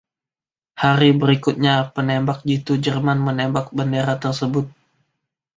Hari berikutnya penembak jitu Jerman menembak bendera tersebut.